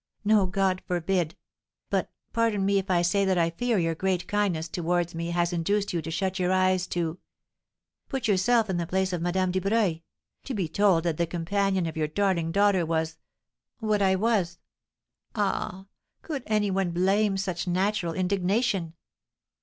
No, God forbid! but pardon me if I say that I fear your great kindness towards me has induced you to shut your eyes to Put yourself in the place of Madame Dubreuil to be told that the companion of your darling daughter was what I was Ah, could any one blame such natural indignation?"